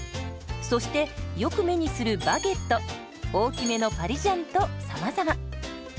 そしてよく目にするバゲット大きめのパリジャンとさまざま。